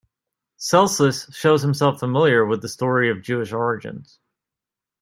Celsus shows himself familiar with the story of Jewish origins.